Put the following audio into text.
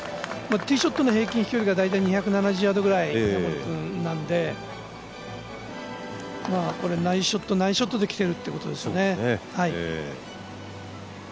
ティーショットの平均飛距離が２７０ヤードぐらいなのでこれナイスショット、ナイスショットできてるっていうことですね。